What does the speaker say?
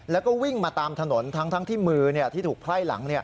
แล้วก็วิ่งมาตามถนนทั้งที่มือที่ถูกไพ่หลัง